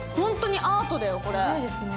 すごいですね。